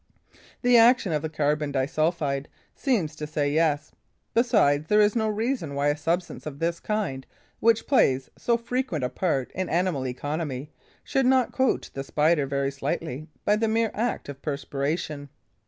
The action of the carbon disulphide seems to say yes. Besides, there is no reason why a substance of this kind, which plays so frequent a part in animal economy, should not coat the Spider very slightly by the mere act of perspiration.